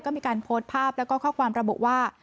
ก็มีการโพสต์ภาพแล้วก็ข้อความระบุว่า